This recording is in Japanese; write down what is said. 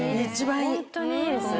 ホントにいいです。